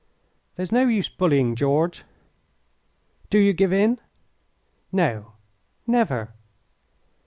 "There's no use bullying, George." "Do you give in?" "No, never!"